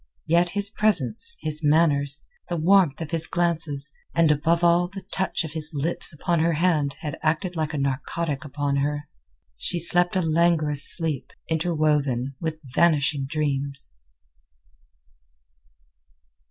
Yet his presence, his manners, the warmth of his glances, and above all the touch of his lips upon her hand had acted like a narcotic upon her. She slept a languorous sleep, interwoven with vanishing dreams.